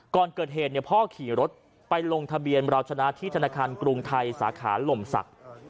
ก่อนเกิดเหตุพ่อขี่รถไปลงทะเบียนเราชนะที่ธนาคารกรุงไทยสาขาลมศักดิ์